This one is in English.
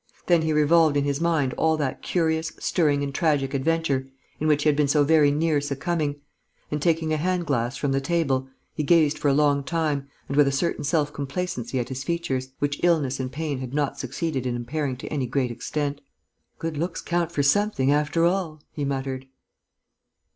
Then he revolved in his mind all that curious, stirring and tragic adventure, in which he had been so very near succumbing; and, taking a hand glass from the table, he gazed for a long time and with a certain self complacency at his features, which illness and pain had not succeeded in impairing to any great extent: "Good looks count for something, after all!" he muttered.